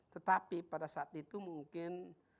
tetapi pada saat itu mungkin